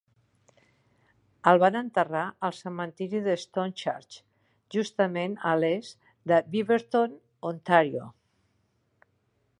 El van enterrar al cementiri de Stone Church, justament a l'est de Beaverton, Ontario.